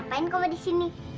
ngapain kamu disini